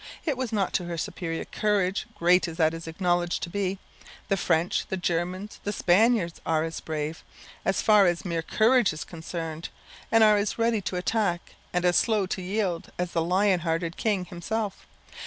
It was not to her superior courage, great as that is acknowledged to be; the French, the Germans, the Spaniards, are as brave, as far as mere courage is concerned, are as ready to attack and as slow to yield, as the lion hearted king himself.